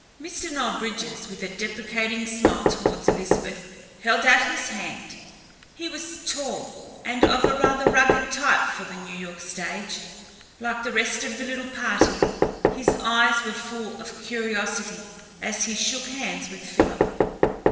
Mr. Noel Bridges, with a deprecating smile towards Elizabeth, held out his hand. He was tall and of rather a rugged type for the New York stage. Like the rest of the little party, his eyes were full of curiosity as he shook hands with Philip.